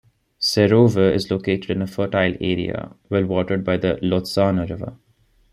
Serowe is located in a fertile area, well-watered by the Lotsane River.